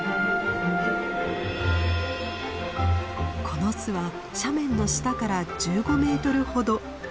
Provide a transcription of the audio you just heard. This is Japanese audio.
この巣は斜面の下から１５メートルほど。